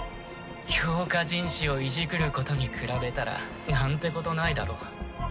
強化人士をいじくることに比べたらなんてことないだろ。